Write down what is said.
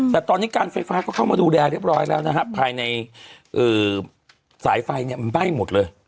แต่ตอนนี้การไฟฟ้าก็เข้ามาดูแลเรียบร้อยแล้วนะฮะภายในสายไฟเนี่ยมันใบ้หมดเลย